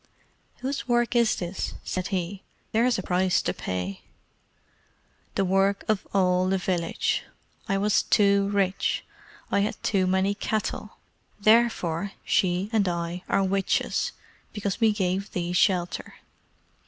"Whose work is this?" said he. "There is a price to pay." "The work of all the village. I was too rich. I had too many cattle. THEREFORE she and I are witches, because we gave thee shelter."